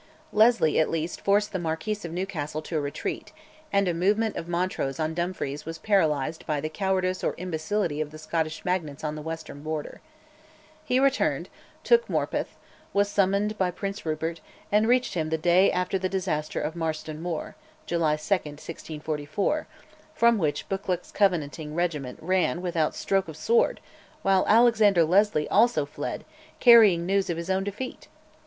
Leslie, at least, forced the Marquis of Newcastle to a retreat, and a movement of Montrose on Dumfries was paralysed by the cowardice or imbecility of the Scottish magnates on the western Border. He returned, took Morpeth, was summoned by Prince Rupert, and reached him the day after the disaster of Marston Moor (July 2, 1644), from which Buccleuch's Covenanting regiment ran without stroke of sword, while Alexander Leslie also fled, carrying news of his own defeat.